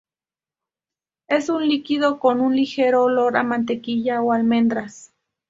Es un líquido con un ligero olor a mantequilla o almendras.